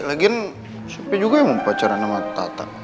lagian siapa juga yang mau pacaran sama tata